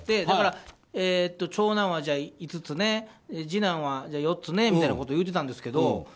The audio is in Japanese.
だから、長男は５つね次男は４つね、みたいなことを言うてたんですけど。